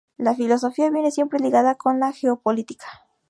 La filosofía viene siempre ligada con la geopolítica.